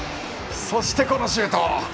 そして、このシュート！